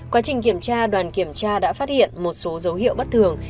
quá trình kiểm tra đoàn kiểm tra đã phát hiện một số dấu hiệu bất thường